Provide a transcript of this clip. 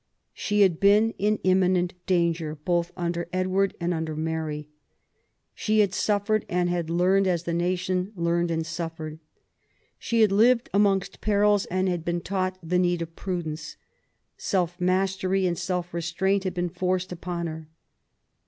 She had been in imminent danger, both under Edward and under Mary. She had suffered, and had learned as the natibri learned and suffered. She had lived amongst perils, and bad been taught the need of prudence. Self 42 QUEEN ELIZABETH. mastery and self restraint had been forced upon her.